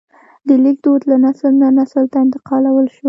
د لیک دود له نسل نه نسل ته انتقال شو.